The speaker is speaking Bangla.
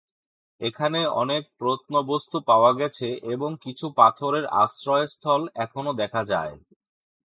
এখানে অনেক প্রত্নবস্তু পাওয়া গেছে এবং কিছু পাথরের আশ্রয়স্থল এখনও দেখা যায়।